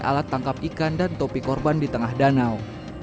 alat tangkap ikan dan topi korban di tengah danau